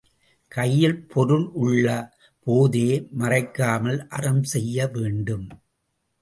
கையில் பொருள் உள்ள போதோ மறைக்காமல் அறம் செய்யவேண்டும்.